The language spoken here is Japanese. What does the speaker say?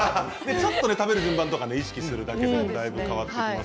ちょっと食べる順番とか意識するだけでだいぶ変わります。